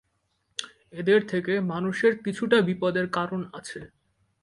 এদের থেকে মানুষের কিছুটা বিপদের কারণআছে।